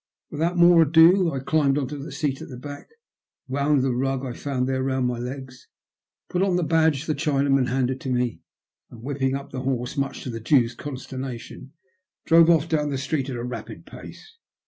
Without more ado, I climbed on to the seat at the back, wound the rug I found there round my legs, put on the badge the Chinaman handed up to me, and, whipping up the horsOi much to the Jew's consternation, drove off down the street at a rapid pace.